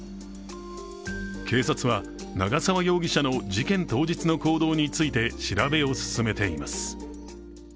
警察は、長沢容疑者の事件当日の行動について調べを進めています。